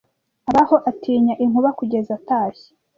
abaho atinya inkuba kugeza atashye